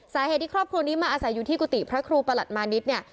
สาเหตุที่ครอบครัวนี้มาอาศัยอยู่ที่กุฏิพระครูประหลัดมานิดเนี่ย